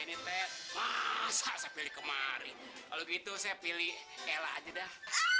ini teh masa pilih kemarin kalau gitu saya pilih ella aja dah